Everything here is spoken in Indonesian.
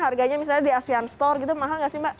harganya misalnya di asean store gitu mahal gak sih mbak